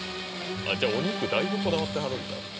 じゃあお肉だいぶこだわってはるんだ